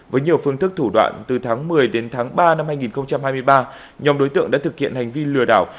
với nhiều phương thức thủ đoạn từ tháng một mươi đến tháng ba năm hai nghìn hai mươi ba nhóm đối tượng đã thực hiện hành vi lừa đảo